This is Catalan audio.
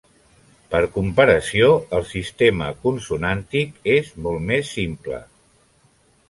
Per comparació, el sistema consonàntic és molt més simple.